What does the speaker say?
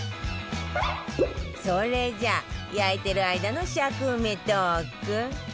それじゃあ焼いてる間の尺埋めトーク